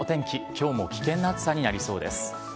きょうも危険な暑さになりそうです。